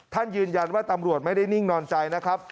ยืนยันว่าตำรวจไม่ได้นิ่งนอนใจนะครับ